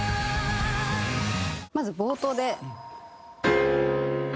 まず冒頭で。